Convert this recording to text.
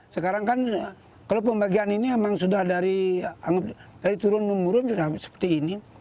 sekarang kan kalau pembagian ini memang sudah dari turun menurun sudah seperti ini